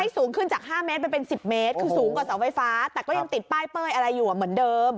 สูงขึ้นจาก๕เมตรไปเป็น๑๐เมตรคือสูงกว่าเสาไฟฟ้าแต่ก็ยังติดป้ายเป้ยอะไรอยู่เหมือนเดิม